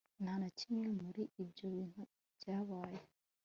nta na kimwe muri ibyo bintu cyabaye